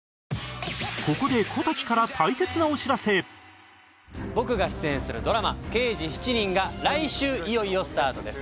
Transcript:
ここで僕が出演するドラマ『刑事７人』が来週いよいよスタートです。